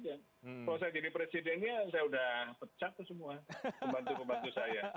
kalau saya jadi presidennya saya sudah pecah tuh semua pembantu pembantu saya